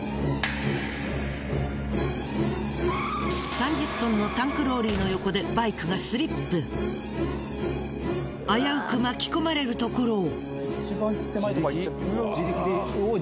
３０トンのタンクローリーの横で危うく巻き込まれるところを。